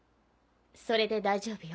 それで大丈夫よ。